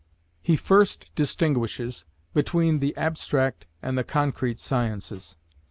He first distinguishes between the abstract and the concrete sciences.